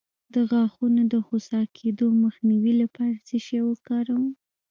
د غاښونو د خوسا کیدو مخنیوي لپاره څه وکاروم؟